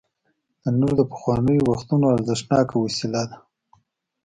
تنور د پخوانیو وختونو ارزښتناکه وسیله ده